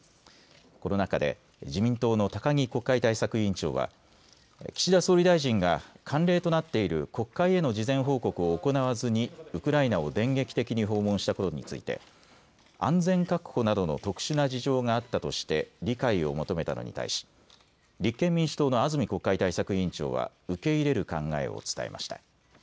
この中で自民党の高木国会対策委員長は岸田総理大臣が慣例となっている国会への事前報告を行わずにウクライナを電撃的に訪問したことについて安全確保などの特殊な事情があったとして理解を求めたのに対し、立憲民主党の安住国会対策委員長は受け入れる考えを伝えました。